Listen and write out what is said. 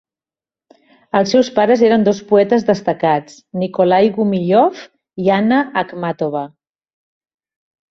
Els seus pares eren dos poetes destacats: Nikolay Gumilyov i Anna Akhmàtova.